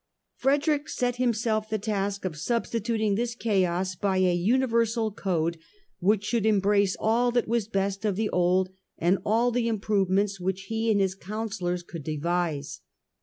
Frederick set himself the task of substituting this chaos by a universal code, which should embrace all that was best of the old and all the improve ments which he and his councillors could devise.